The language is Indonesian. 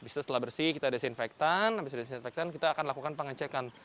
setelah bersih kita desinfektan setelah desinfektan kita akan lakukan pengecekan